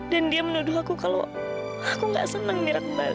dan dia menuduh aku kalau aku gak senang nira kembali